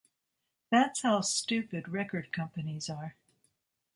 That's how stupid record companies are.